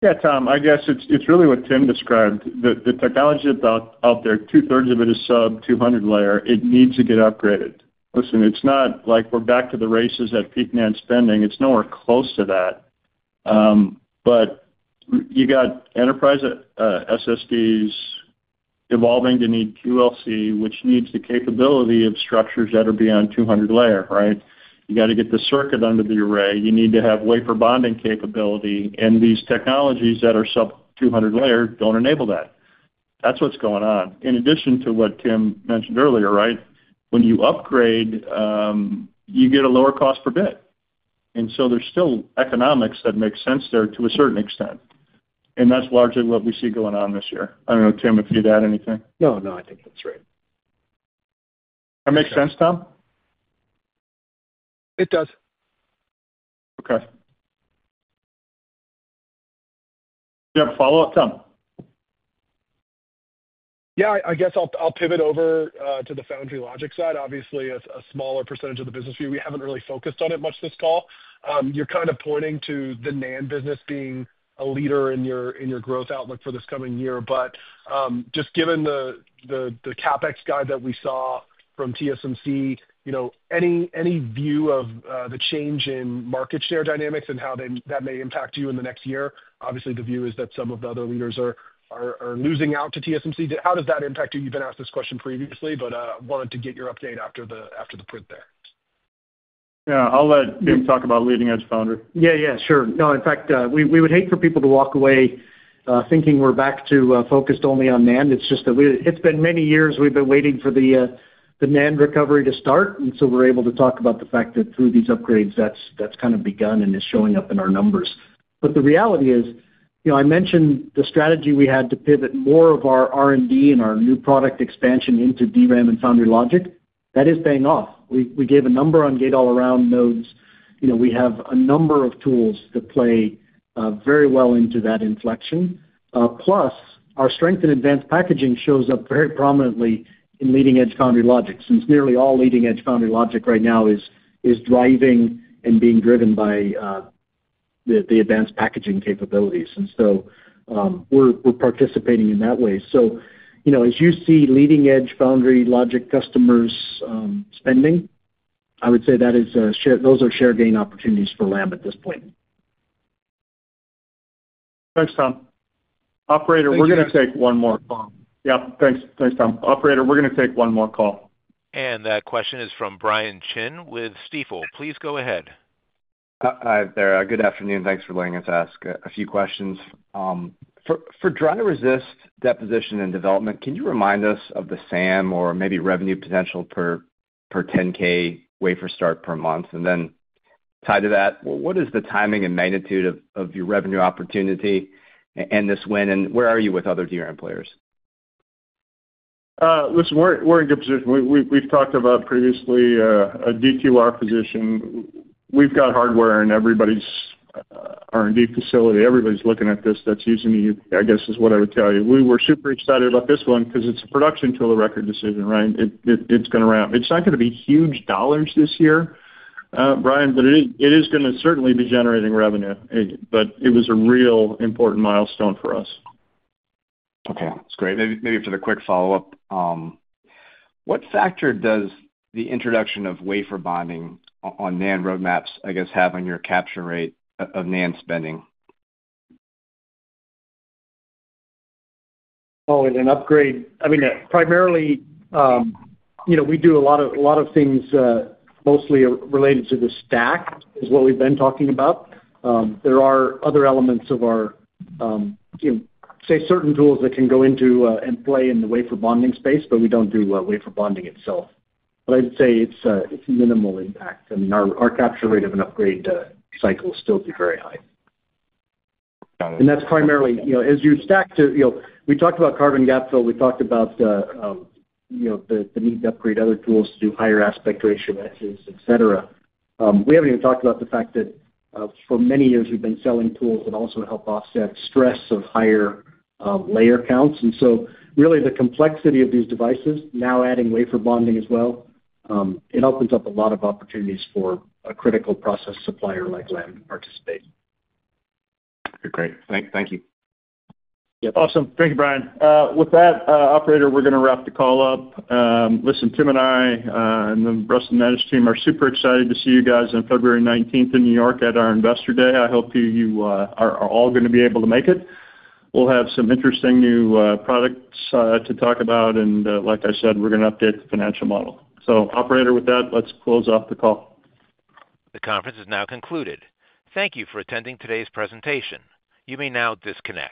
Yeah, Tom, I guess it's really what Tim described. The technology that's out there, two-thirds of it is sub 200 layer. It needs to get upgraded. Listen, it's not like we're back to the races at peak NAND spending. It's nowhere close to that. But you got enterprise SSDs evolving to need QLC, which needs the capability of structures that are beyond 200 layer, right? You got to get the circuit under the array. You need to have wafer bonding capability. And these technologies that are sub 200 layer don't enable that. That's what's going on. In addition to what Tim mentioned earlier, right, when you upgrade, you get a lower cost per bit. And so there's still economics that make sense there to a certain extent. And that's largely what we see going on this year. I don't know, Tim, if you'd add anything. No, no. I think that's right. That makes sense, Tom? It does. Okay. Do you have a follow-up, Tom? Yeah. I guess I'll pivot over to the foundry logic side. Obviously, a smaller percentage of the business view. We haven't really focused on it much this call. You're kind of pointing to the NAND business being a leader in your growth outlook for this coming year. But just given the CapEx guide that we saw from TSMC, any view of the change in market share dynamics and how that may impact you in the next year? Obviously, the view is that some of the other leaders are losing out to TSMC. How does that impact you? You've been asked this question previously, but I wanted to get your update after the print there. Yeah. I'll let Tim talk about leading-edge foundry. Yeah. Yeah. Sure. No, in fact, we would hate for people to walk away thinking we're back to focused only on NAND. It's just that it's been many years we've been waiting for the NAND recovery to start. And so we're able to talk about the fact that through these upgrades, that's kind of begun and is showing up in our numbers. But the reality is, I mentioned the strategy we had to pivot more of our R&D and our new product expansion into DRAM and Foundry Logic. That is paying off. We gave a number on gate-all-around nodes. We have a number of tools that play very well into that inflection. Plus, our strength in advanced packaging shows up very prominently in leading-edge Foundry Logic. Since nearly all leading-edge Foundry Logic right now is driving and being driven by the advanced packaging capabilities. And so we're participating in that way. So as you see leading-edge foundry logic customers spending, I would say that those are share gain opportunities for Lam at this point. Thanks, Tom. Operator, we're going to take one more call. Yep. And that question is from Brian Chin with Stifel. Please go ahead. Hi there. Good afternoon. Thanks for letting us ask a few questions. For dry resist deposition and development, can you remind us of the SAM or maybe revenue potential per 10k wafer start per month? And then tied to that, what is the timing and magnitude of your revenue opportunity in this win? And where are you with other DRAM players? Listen, we're in good position. We've talked about previously a DQR position. We've got hardware in everybody's R&D facility. Everybody's looking at this that's using the EUV, is what I would tell you. We were super excited about this one because it's a production tool of record decision, right? It's going to ramp. It's not going to be huge dollars this year, Brian, but it is going to certainly be generating revenue. But it was a real important milestone for us. Okay. That's great. Maybe for the quick follow-up, what factor does the introduction of wafer bonding on NAND roadmaps, I guess, have on your capture rate of NAND spending? Oh, in an upgrade, I mean, primarily, we do a lot of things mostly related to the stack is what we've been talking about. There are other elements of our, say, certain tools that can go into and play in the wafer bonding space, but we don't do wafer bonding itself. But I'd say it's minimal impact. I mean, our capture rate of an upgrade cycle is still very high. That's primarily as you stack to. We talked about carbon gap fill. We talked about the need to upgrade other tools to do higher aspect ratio metrics, etc. We haven't even talked about the fact that for many years, we've been selling tools that also help offset stress of higher layer counts. And so really, the complexity of these devices, now adding wafer bonding as well, it opens up a lot of opportunities for a critical process supplier like Lam to participate. Okay. Great. Thank you. Yep. Awesome. Thank you, Brian. With that, Operator, we're going to wrap the call up. Listen, Tim and I and the rest of the management team are super excited to see you guys on February 19th in New York at our investor day. I hope you are all going to be able to make it. We'll have some interesting new products to talk about. And like I said, we're going to update the financial model. So, Operator, with that, let's close off the call. The conference is now concluded. Thank you for attending today's presentation. You may now disconnect.